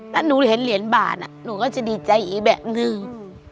ถ้าหนูเห็นเหรียญบาทหนูก็จะดีใจอีกแบบนึง